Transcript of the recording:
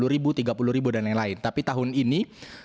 rp tiga puluh tiga puluh dan lain lain tapi tahun ini